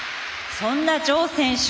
そんなジョウ選手